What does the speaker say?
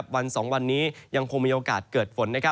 วัน๒วันนี้ยังคงมีโอกาสเกิดฝน